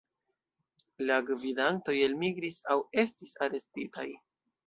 La gvidantoj elmigris aŭ estis arestitaj.